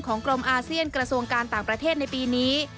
กรมอาเซียนกระทรวงการต่างประเทศในปีนี้